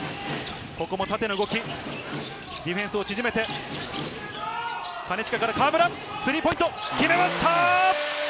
ここも縦の動き、ディフェンスを縮めて、金近から河村、スリーポイント、決めました！